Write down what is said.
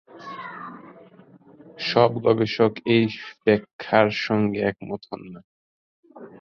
সব গবেষক এই ব্যাখ্যার সঙ্গে একমত হন না।